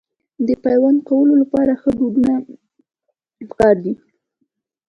د پیوند کولو لپاره ښه ډډونه پکار دي.